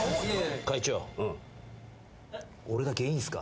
会長。